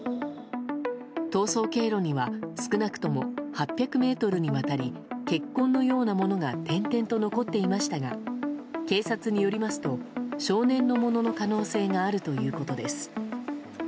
逃走経路には少なくとも８００ｍにわたり血痕のようなものが点々と残っていましたが警察によりますと少年のものの可能性があるということです。